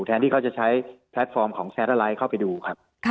ที่เขาจะใช้แพลตฟอร์มของแซนเตอร์ไลท์เข้าไปดูครับ